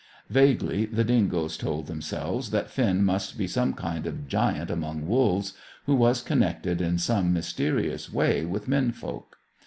Vaguely, the dingoes told themselves that Finn must be some kind of giant among wolves who was connected in some mysterious way with men folk.